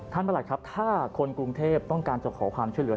ประหลัดครับถ้าคนกรุงเทพต้องการจะขอความช่วยเหลือ